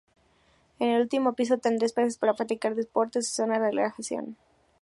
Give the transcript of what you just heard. En el último piso tendrá espacios para practicar deportes y zonas de relajación.